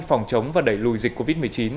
phòng chống và đẩy lùi dịch covid một mươi chín